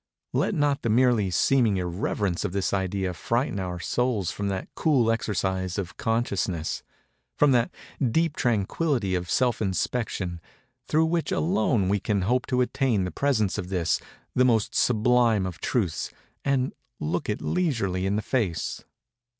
_ Let not the merely seeming irreverence of this idea frighten our souls from that cool exercise of consciousness—from that deep tranquillity of self inspection—through which alone we can hope to attain the presence of this, the most sublime of truths, and look it leisurely in the face.